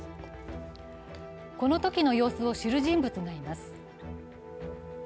このときの様子を知る人物がいます。